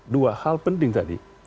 dua hal penting tadi